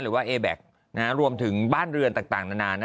หรือว่าเอแบ็ครวมถึงบ้านเรือนต่างนานา